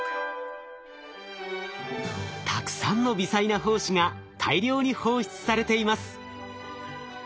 たくさんの微細な胞子が大量に放出されています。